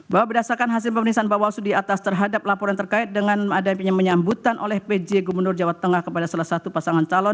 bahwa berdasarkan hasil pemeriksaan bawaslu di atas terhadap laporan terkait dengan adanya menyambutan oleh pj gubernur jawa tengah kepada salah satu pasangan calon